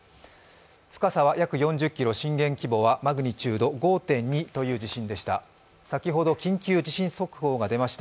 深さは約４０ｋｍ、震源規模はマグニチュード５．２という地震でした先ほど緊急地震速報が出ました。